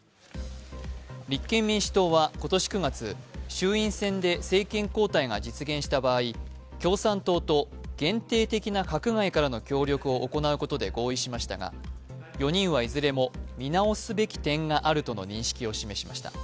立憲民主党は今年９月、衆院選で政権交代が実現した場合共産党と限定的な閣外からの協力を行うことで合意しましたが４人はいずれも見直すべき点があるとの認識を示しました。